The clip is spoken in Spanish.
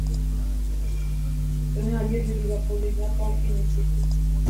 La electricidad y el calor son subproductos de esta reacción.